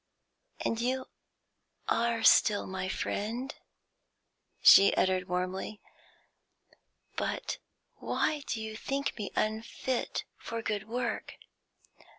"And you are still my friend?" she uttered warmly. "But why do you think me unfit for good work?"